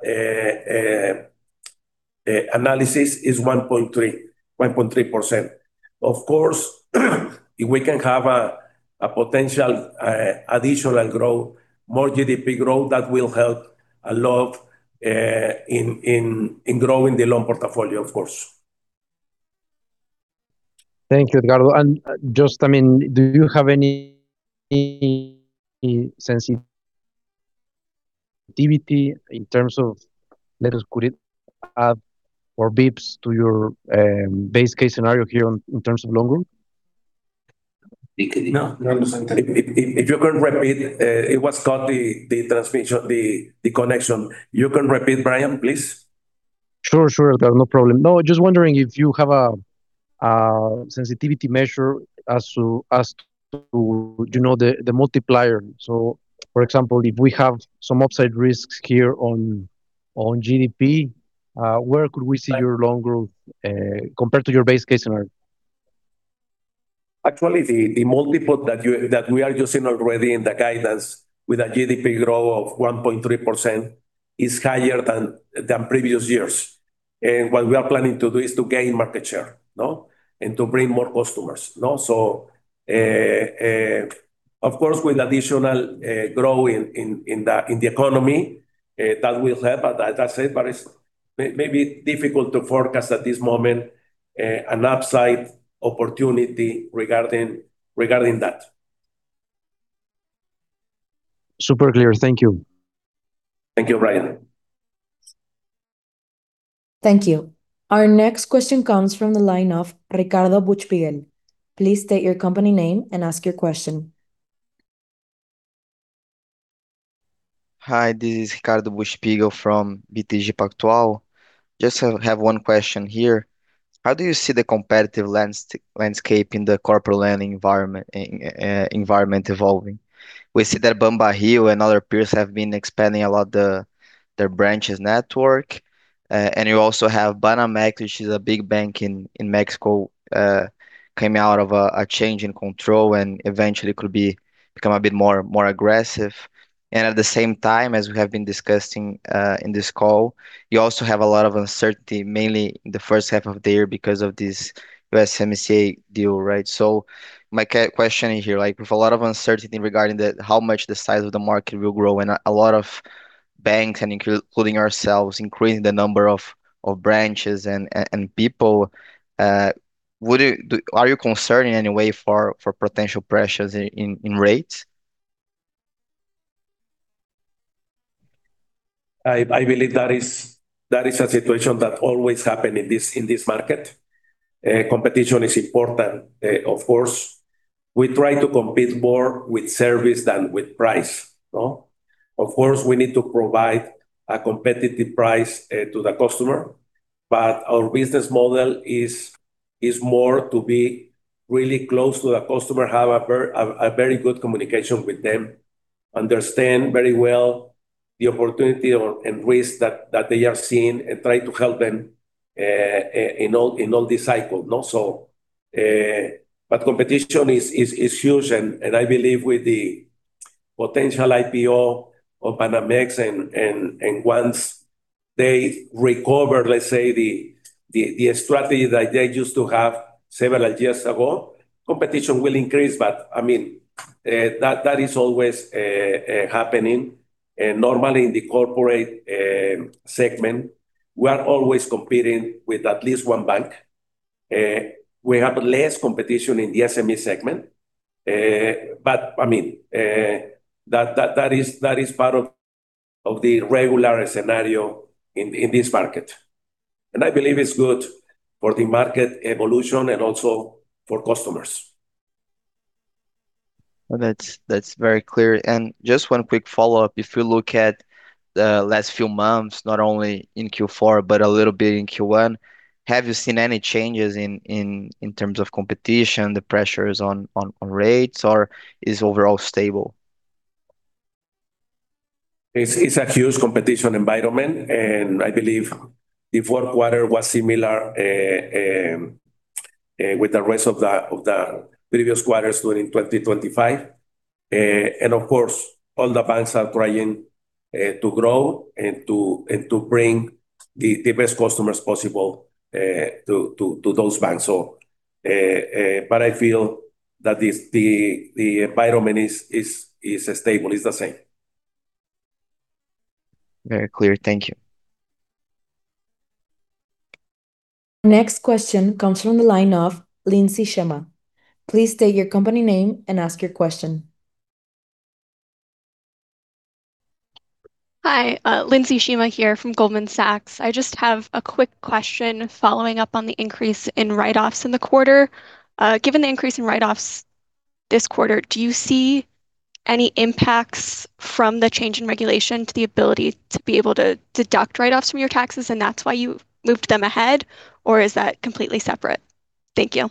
Speaker 4: analysis is 1.3%. Of course, we can have a potential additional growth, more GDP growth that will help a lot in growing the loan portfolio, of course.
Speaker 11: Thank you, Edgardo. And just, I mean, do you have any sensitivity in terms of let us put it or basis points to your best case scenario here in terms of loan growth?
Speaker 4: If you can repeat, it was cut, the connection. You can repeat, Brian, please.
Speaker 11: Sure, sure, Edgardo. No problem. No, just wondering if you have a sensitivity measure as to the multiplier. So, for example, if we have some upside risks here on GDP, where could we see your loan growth compared to your base case scenario?
Speaker 4: Actually, the multiple that we are using already in the guidance with a GDP growth of 1.3% is higher than previous years. And what we are planning to do is to gain market share and to bring more customers. So, of course, with additional growth in the economy, that will help. But that's it. But it's maybe difficult to forecast at this moment an upside opportunity regarding that.
Speaker 11: Super clear. Thank you.
Speaker 4: Thank you, Brian.
Speaker 1: Thank you. Our next question comes from the line of Ricardo Buchpiguel. Please state your company name and ask your question.
Speaker 12: Hi, this is Ricardo Buchpiguel from BTG Pactual. Just have one question here. How do you see the competitive landscape in the corporate lending environment evolving? We see that BanBajío and other peers have been expanding a lot of their branches network. And you also have Banamex, which is a big bank in Mexico, coming out of a change in control and eventually could become a bit more aggressive. And at the same time, as we have been discussing in this call, you also have a lot of uncertainty, mainly in the first half of the year because of this USMCA deal, right? My question here, with a lot of uncertainty regarding how much the size of the market will grow and a lot of banks, including ourselves, increasing the number of branches and people, are you concerned in any way for potential pressures in rates?
Speaker 4: I believe that is a situation that always happens in this market. Competition is important, of course. We try to compete more with service than with price. Of course, we need to provide a competitive price to the customer. But our business model is more to be really close to the customer, have a very good communication with them, understand very well the opportunity and risk that they are seeing, and try to help them in all these cycles. But competition is huge. I believe with the potential IPO of Banamex and once they recover, let's say, the strategy that they used to have several years ago, competition will increase. I mean, that is always happening. Normally in the corporate segment, we are always competing with at least one bank. We have less competition in the SME segment. I mean, that is part of the regular scenario in this market. I believe it's good for the market evolution and also for customers.
Speaker 12: That's very clear. Just one quick follow-up. If you look at the last few months, not only in Q4, but a little bit in Q1, have you seen any changes in terms of competition, the pressures on rates, or is overall stable?
Speaker 4: It's a huge competition environment. I believe the fourth quarter was similar with the rest of the previous quarters during 2025. Of course, all the banks are trying to grow and to bring the best customers possible to those banks. But I feel that the environment is stable. It's the same.
Speaker 12: Very clear. Thank you.
Speaker 1: Next question comes from the line of Lindsey Shema. Please state your company name and ask your question.
Speaker 13: Hi, Lindsey Shema here from Goldman Sachs. I just have a quick question following up on the increase in write-offs in the quarter. Given the increase in write-offs this quarter, do you see any impacts from the change in regulation to the ability to be able to deduct write-offs from your taxes and that's why you moved them ahead, or is that completely separate? Thank you.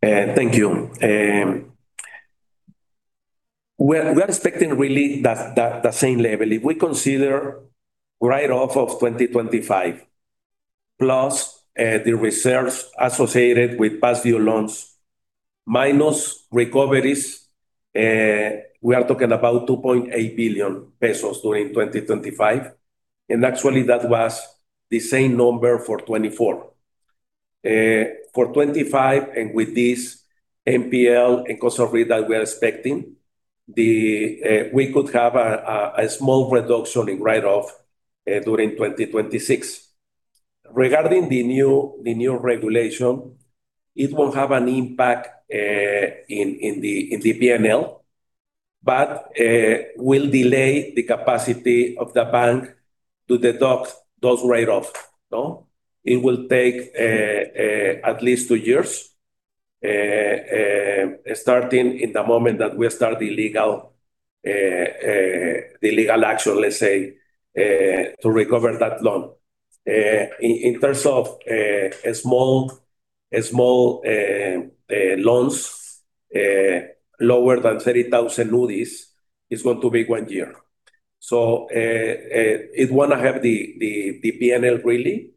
Speaker 4: Thank you. We are expecting really the same level. If we consider write-off of 2025 plus the reserves associated with past due loans minus recoveries, we are talking about 2.8 billion pesos during 2025. Actually, that was the same number for 2024. For 2025, and with this NPL and cost of risk that we are expecting, we could have a small reduction in write-off during 2026. Regarding the new regulation, it won't have an impact in the P&L, but will delay the capacity of the bank to deduct those write-offs. It will take at least two years starting in the moment that we start the legal action, let's say, to recover that loan. In terms of small loans, lower than 30,000 UDIs is going to be one year. So it won't have the P&L really,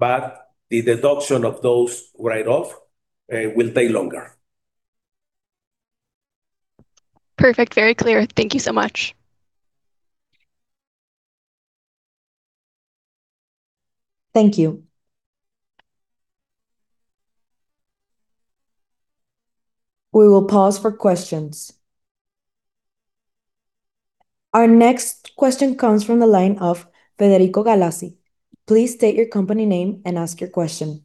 Speaker 4: but the deduction of those write-offs will take longer.
Speaker 13: Perfect. Very clear. Thank you so much.
Speaker 1: Thank you. We will pause for questions. Our next question comes from the line of Federico Galassi. Please state your company name and ask your question.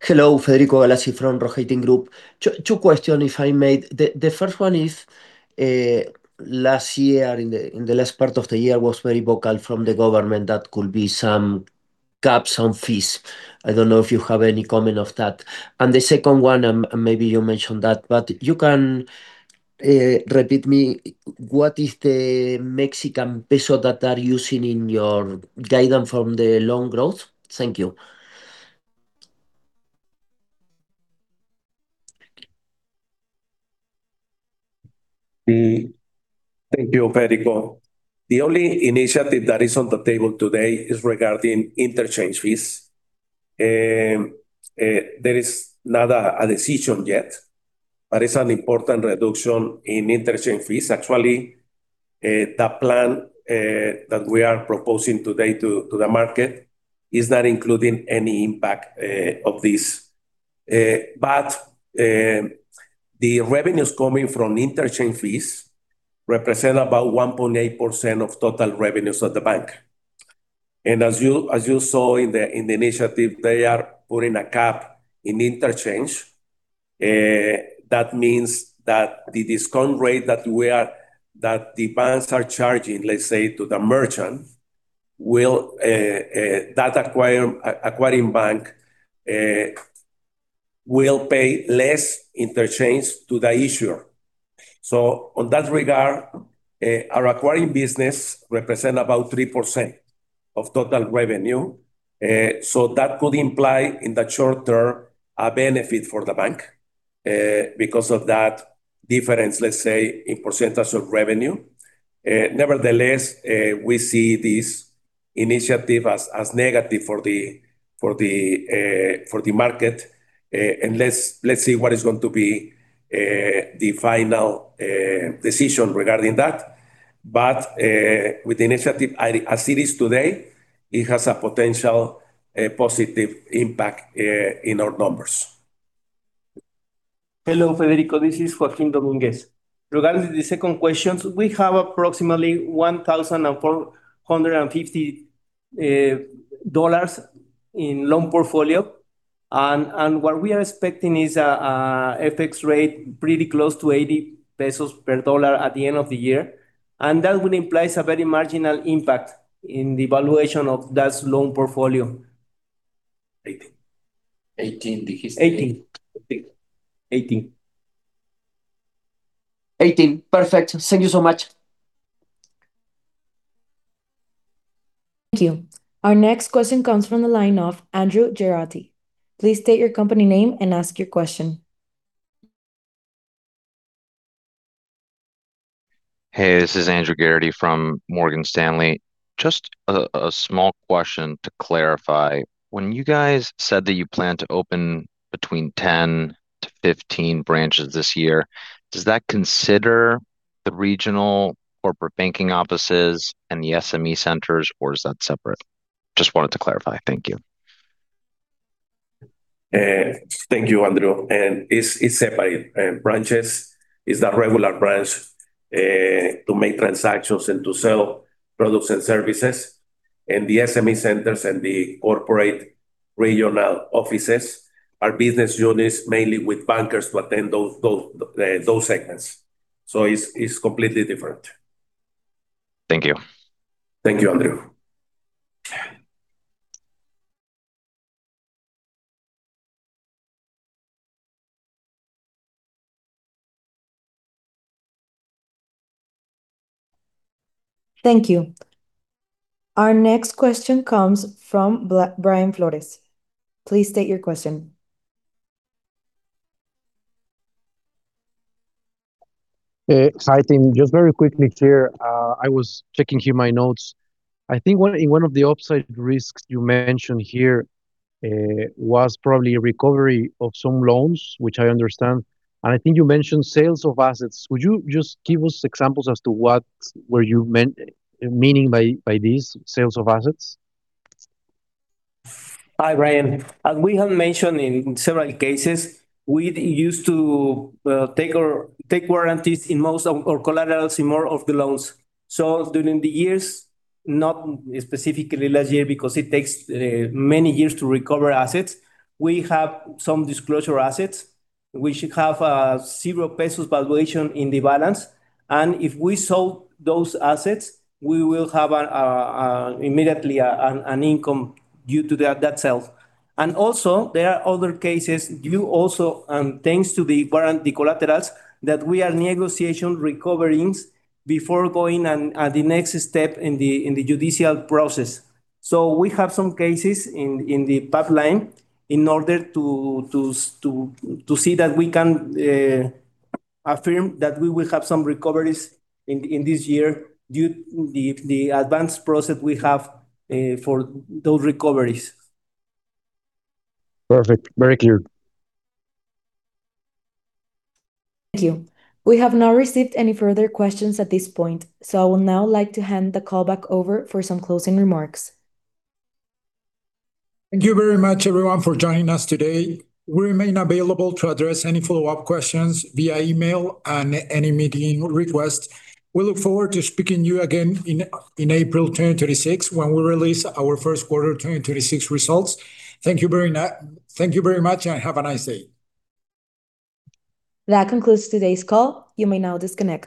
Speaker 14: Hello, Federico Galassi from The Rohatyn Group. Two questions if I may. The first one is last year, in the last part of the year, was very vocal from the government that could be some caps on fees. I don't know if you have any comment on that. And the second one, maybe you mentioned that, but you can repeat me what is the Mexican peso that they are using in your guidance from the loan growth? Thank you.
Speaker 4: Thank you, Federico. The only initiative that is on the table today is regarding interchange fees. There is not a decision yet, but it's an important reduction in interchange fees. Actually, the plan that we are proposing today to the market is not including any impact of this. But the revenues coming from interchange fees represent about 1.8% of total revenues of the bank. And as you saw in the initiative, they are putting a cap in interchange. That means that the discount rate that the banks are charging, let's say, to the merchant, that acquiring bank will pay less interchange to the issuer. So on that regard, our acquiring business represents about 3% of total revenue. So that could imply in the short term a benefit for the bank because of that difference, let's say, in percentage of revenue. Nevertheless, we see this initiative as negative for the market. And let's see what is going to be the final decision regarding that. But with the initiative as it is today, it has a potential positive impact in our numbers.
Speaker 6: Hello, Federico. This is Joaquín Domínguez. Regarding the second question, we have approximately $1,450 in loan portfolio. And what we are expecting is an FX rate pretty close to 18 pesos per dollar at the end of the year. And that would imply a very marginal impact in the valuation of that loan portfolio. 18.
Speaker 14: Perfect. Thank you so much.
Speaker 1: Thank you. Our next question comes from the line of Andrew Geraghty. Please state your company name and ask your question.
Speaker 15: Hey, this is Andrew Geraghty from Morgan Stanley. Just a small question to clarify. When you guys said that you plan to open between 10-15 branches this year, does that consider the regional corporate banking offices and the SME Centers, or is that separate? Just wanted to clarify. Thank you.
Speaker 4: Thank you, Andrew. And it's separate. Branches is the regular branch to make transactions and to sell products and services. The SME Centers and the corporate regional offices are business units mainly with bankers to attend those segments. So it's completely different.
Speaker 15: Thank you.
Speaker 4: Thank you, Andrew.
Speaker 1: Thank you. Our next question comes from Brian Flores. Please state your question.
Speaker 11: Hi, team. Just very quickly here. I was checking here my notes. I think in one of the upside risks you mentioned here was probably recovery of some loans, which I understand. And I think you mentioned sales of assets. Would you just give us examples as to what were you meaning by these sales of assets?
Speaker 6: Hi, Brian. As we have mentioned in several cases, we used to take guarantees in most of our collaterals in more of the loans. So during the years, not specifically last year because it takes many years to recover assets, we have some disposal assets. We should have a 0 pesos valuation in the balance. And if we sold those assets, we will have immediately an income due to that sale. And also, there are other cases due also thanks to the warranty collaterals that we are negotiating recoveries before going at the next step in the judicial process. So we have some cases in the pipeline in order to see that we can affirm that we will have some recoveries in this year due to the advanced process we have for those recoveries.
Speaker 11: Perfect. Very clear.
Speaker 1: Thank you. We have not received any further questions at this point. So I would now like to hand the call back over for some closing remarks.
Speaker 4: Thank you very much, everyone, for joining us today. We remain available to address any follow-up questions via email and any meeting requests. We look forward to speaking to you again in April 2026 when we release our first quarter 2026 results. Thank you very much, and have a nice day.
Speaker 1: That concludes today's call. You may now disconnect.